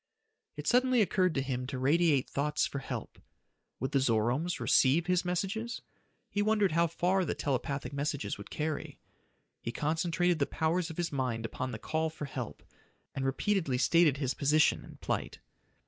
It suddenly occurred to him to radiate thoughts for help. Would the Zoromes receive his messages? He wondered how far the telepathic messages would carry. He concentrated the powers of his mind upon the call for help, and repeatedly stated his position and plight.